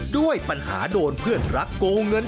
ด้วยปัญหาโดนเพื่อนรักโกงเงิน